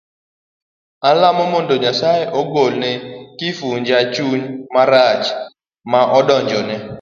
Alamo mondo Nyasaye ogol ne Kifuja chuny marach ma odonjone.